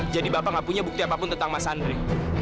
bapak nggak punya bukti apapun tentang mas andri